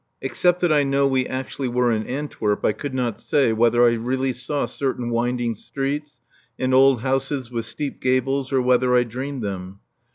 Except that I know we actually were in Antwerp I could not say whether I really saw certain winding streets and old houses with steep gables or whether I dreamed them.